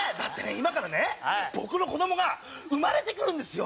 今から僕の子供が生まれて来るんですよ。